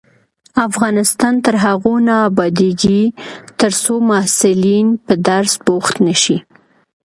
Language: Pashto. افغانستان تر هغو نه ابادیږي، ترڅو محصلین په درس بوخت نشي.